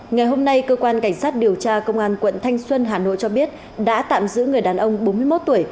ngày hôm nay cơ quan cảnh sát điều tra công an tp hcm cho biết đã tạm giữ người đàn ông bốn mươi một tuổi